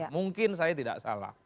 mungkin saya tidak salah